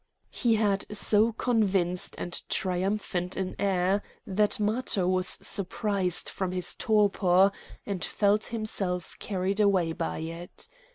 He had so convinced and triumphant an air that Matho was surprised from his torpor, and felt himself carried away by it.